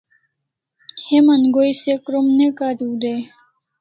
Heman goi se krom ne kariu dai